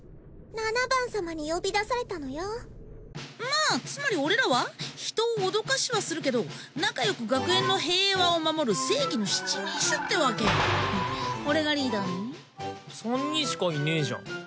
七番様に呼び出されたのよまあつまり俺らはヒトを脅かしはするけど仲良く学園の平和を守る正義の七人衆ってわけ俺がリーダーね三人しかいねえじゃん